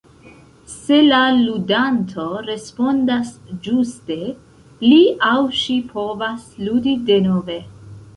Se la ludanto respondas ĝuste, li aŭ ŝi povas ludi denove.